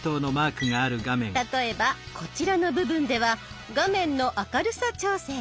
例えばこちらの部分では画面の明るさ調整。